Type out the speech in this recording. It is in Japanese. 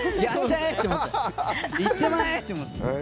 いってまえ！って思って。